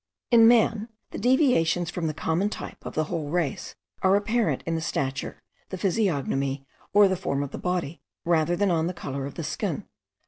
In man, the deviations from the common type of the whole race are apparent in the stature, the physiognomy, or the form of the body, rather than on the colour of the skin.